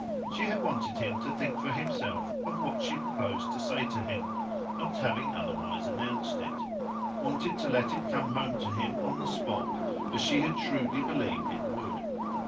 She had wanted him to think for himself of what she proposed to say to him not having otherwise announced it; wanted to let it come home to him on the spot, as she had shrewdly believed it would.